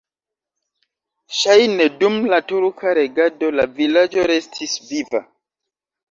Ŝajne dum la turka regado la vilaĝo restis viva.